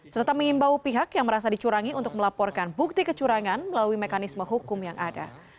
serta mengimbau pihak yang merasa dicurangi untuk melaporkan bukti kecurangan melalui mekanisme hukum yang ada